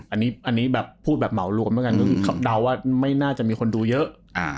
อันนี้แบบพูดแบบเหมารวมแล้วกันก็คือเขาเดาว่าไม่น่าจะมีคนดูเยอะ